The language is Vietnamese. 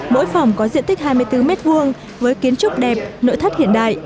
mỗi phòng có diện tích hai mươi bốn m hai với kiến trúc đẹp nội thất hiện đại